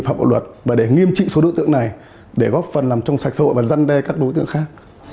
học bộ luật và để nghiêm trị số đối tượng này để góp phần làm trong sạch sội và dân đe các đối tượng khác